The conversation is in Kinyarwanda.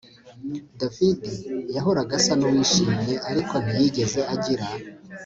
David yahoraga asa nuwishimye ariko ntiyigeze agira